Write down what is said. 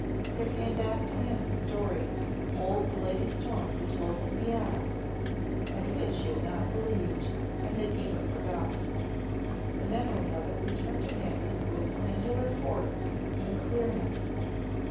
There came back to him the story old Lady Storms had told in Vienna and which he had not believed and had even forgot. The memory of it returned to him with singular force and clearness.